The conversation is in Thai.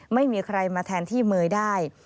ไม่มีใครมาแทนที่เมย์ได้